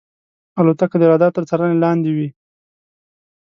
الوتکه د رادار تر څارنې لاندې وي.